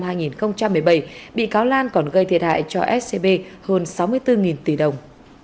từ tháng một năm hai nghìn một mươi bảy bị cáo lan còn gây thiệt hại cho scb hơn sáu mươi bốn tỷ đồng